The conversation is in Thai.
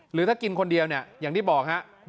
หรือถ้ากินคนเดียวเนี่ยอย่างที่บอกฮะ